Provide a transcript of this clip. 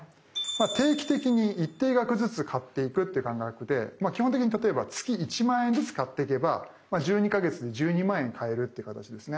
定期的に一定額ずつ買っていくっていう感覚で基本的に例えば月１万円ずつ買っていけば１２か月で１２万円買えるっていう形ですね。